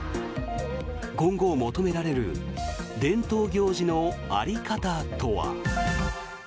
今後求められる伝統行事の在り方とは。